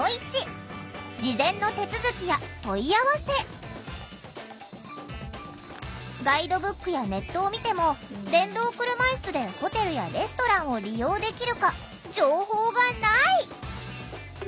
実はあずみんたちはこれまでガイドブックやネットを見ても電動車いすでホテルやレストランを利用できるか情報がない！